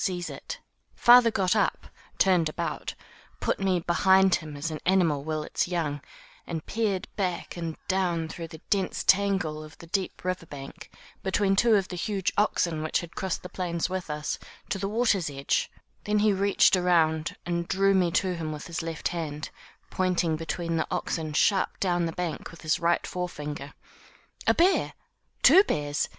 Used by special arrangement with the publishers, Rand McNally & Company 123 MY BOOK HOUSE Father got up, turned about, put me behind him as an animal will its young, and peered back and down through the dense tangle of the deep river bank between two of the huge oxen which had crossed the plains with us, to the water's edge; then he reached around and drew me to him with his left hand, pointing between the oxen sharp down the bank with his right forefinger. A bear! two bears!